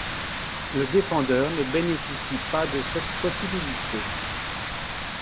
Le défendeur ne bénéficie pas de cette possibilité.